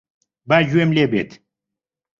با گوێم لێ بێت.